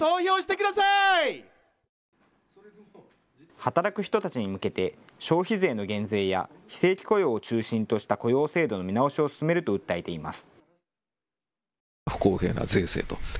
働く人たちに向けて、消費税の減税や、非正規雇用を中心とした雇用制度の見直しを進めると訴えています。